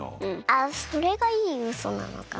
あっそれがいいウソなのか。